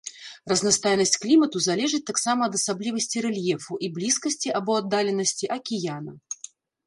Разнастайнасць клімату залежыць таксама ад асаблівасцей рэльефу і блізкасці або аддаленасці акіяна.